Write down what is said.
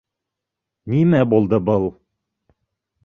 - Нимә булды был?!